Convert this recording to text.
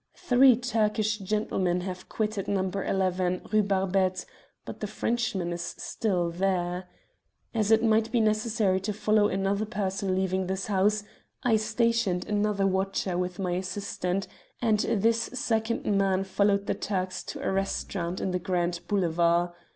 "Three Turkish gentlemen have quitted No. 11, Rue Barbette, but the Frenchman is still there. As it might be necessary to follow another person leaving this house, I stationed another watcher with my assistant, and this second man followed the Turks to a restaurant in the Grand Boulevard.